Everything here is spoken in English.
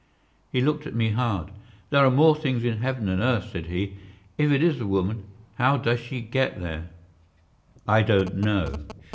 He looked at me hard. "There are more things in heaven and earth," said he. "If it is a woman, how does she get there?" "I don't know."